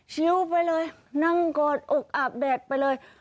ชิวไปเลยนั่งกอดอกอาบแดดไปเลย